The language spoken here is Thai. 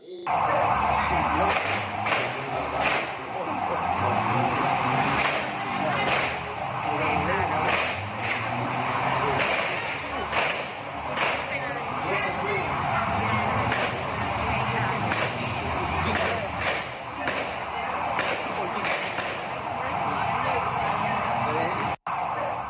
มองร่องหน้าน้ำ